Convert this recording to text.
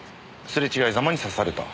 すれ違いざまに刺された。